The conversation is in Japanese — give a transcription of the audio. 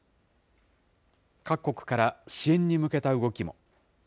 各国から支援に向けた動きも。